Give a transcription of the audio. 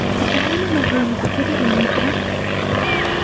هل تعلم من هو مخترع المجهر؟